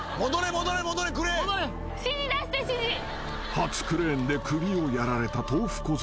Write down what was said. ［初クレーンで首をやられた豆腐小僧］